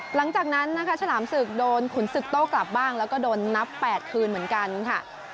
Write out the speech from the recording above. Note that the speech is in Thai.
หลังจากนั้นนะคะฉลามศึกโดนขุนศึกโต้กลับบ้างแล้วก็โดนนับ๘คืนเหมือนกันค่ะ